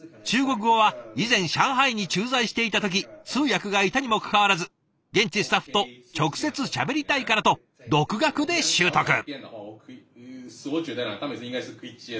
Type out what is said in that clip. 中国語は以前上海に駐在していた時通訳がいたにもかかわらず現地スタッフと直接しゃべりたいからと独学で習得。